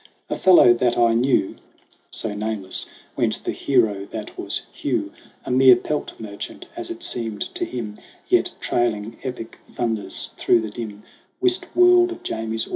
"A fellow that I knew," So nameless went the hero that was Hugh A mere pelt merchant, as it seemed to him ; Yet trailing epic thunders through the dim, Whist world of Jamie's awe.